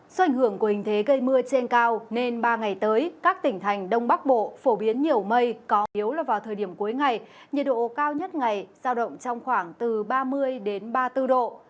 do ảnh hưởng của hình thế gây mưa trên cao nên ba ngày tới các tỉnh thành đông bắc bộ phổ biến nhiều mây có yếu là vào thời điểm cuối ngày nhiệt độ cao nhất ngày giao động trong khoảng từ ba mươi ba mươi bốn độ